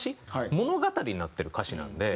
物語になってる歌詞なんで。